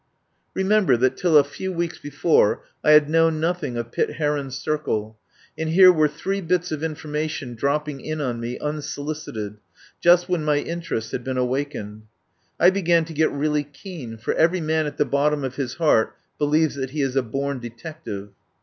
Remember, that till a few weeks before I had known nothing of Pitt Heron's circle, and here were three bits of information drop ping in on me unsolicited, just when my inter est had been awakened. I began to get really keen, for every man at the bottom of his heart believes that he is a born detective.